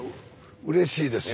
うれしいですよ。